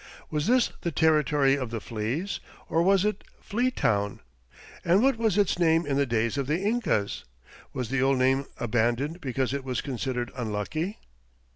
Was this "The Territory of the Fleas" or was it "Flea Town"? And what was its name in the days of the Incas? Was the old name abandoned because it was considered unlucky?